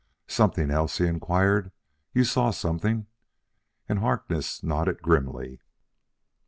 "Something else?" he inquired. "You saw something?" And Harkness nodded grimly.